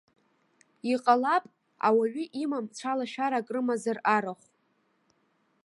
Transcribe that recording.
Иҟалап, ауаҩы имам цәалашәарак рымазар арахә.